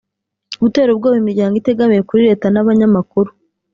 gutera ubwoba imiryango itegamiye kuri leta n’abanyamakuru